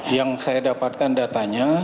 yang saya dapatkan datanya